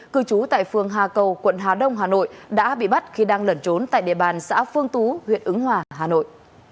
cư trú tại phường hà cầu quận hà đông hà nội đã bị bắt khi đang lẩn trốn tại địa bàn xã phương tú huyện ứng hòa hà nội